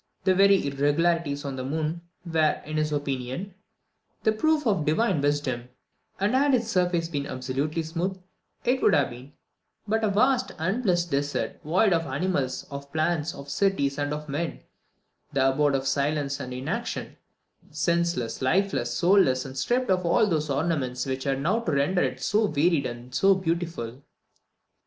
The very irregularities on the moon were, in his opinion, the proof of divine wisdom; and had its surface been absolutely smooth, it would have been "but a vast unblessed desert, void of animals, of plants, of cities, and of men the abode of silence and inaction senseless, lifeless, soulless, and stripped of all those ornaments which now render it so varied and so beautiful."